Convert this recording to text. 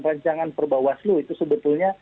rancangan perba waslu itu sebetulnya